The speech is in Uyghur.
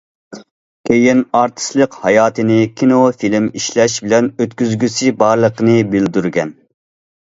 كېيىن ئارتىسلىق ھاياتىنى كىنو- فىلىم ئىشلەش بىلەن ئۆتكۈزگۈسى بارلىقىنى بىلدۈرگەن.